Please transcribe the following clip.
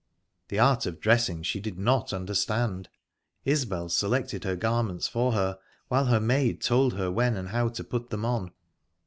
The art of dressing she did not understand; Isbel selected her garments for her, while her maid told her when and how to put them on.